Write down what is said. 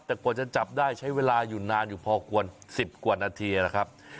แต่กว่าจะจับได้ใช้เวลาอยู่นานอยู่พอควร๑๐กว่านาทีนะครับ